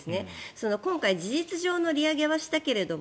今回、事実上の利上げはしたけれども